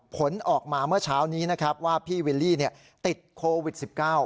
ผลออกมาเมื่อเช้านี้นะครับว่าพี่วิลลี่เนี้ยติดโควิดสิบเก้า